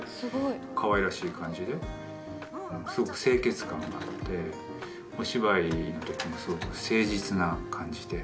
かわいらしい感じで、すごく清潔感があって、お芝居のときも、すごく誠実な感じで。